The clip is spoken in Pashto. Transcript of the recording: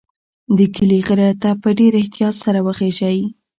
د کلي غره ته په ډېر احتیاط سره وخیژئ.